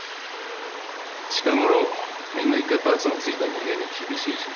近頃みんな１回ばつのついた人間に厳しいし。